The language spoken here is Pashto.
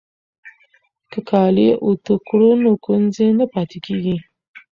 که کالي اوتو کړو نو ګونځې نه پاتې کیږي.